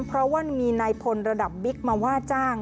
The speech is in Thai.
เพราะว่ามีนายพลระดับบิ๊กมาว่าจ้าง